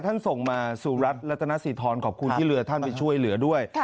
ส่งมาสู่รัฐรัตนสิทรขอบคุณที่เรือท่านไปช่วยเหลือด้วย